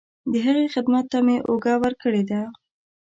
د هغې خدمت ته مې اوږه ورکړې ده.